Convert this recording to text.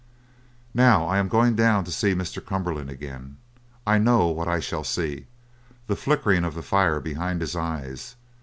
"Now I am going down to see Mr. Cumberland again. I know what I shall see the flickering of the fire behind his eyes.